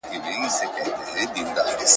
پشي د خدای لپاره موږک نه نیسي !.